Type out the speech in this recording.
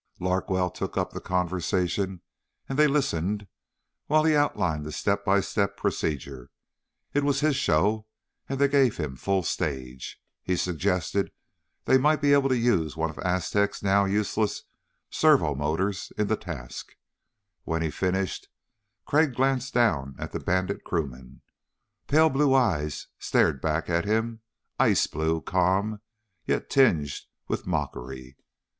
Larkwell took up the conversation and they listened while he outlined the step by step procedure. It was his show and they gave him full stage. He suggested they might be able to use one of Aztec's now useless servo motors in the task. When he finished, Crag glanced down at the Bandit crewman. Pale blue eyes stared back at him. Ice blue, calm, yet tinged with mockery.